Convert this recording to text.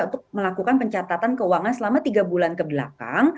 untuk melakukan pencatatan keuangan selama tiga bulan kebelakang